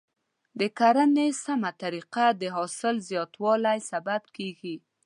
د کرنې سمه طریقه د حاصل زیاتوالي سبب کیږي.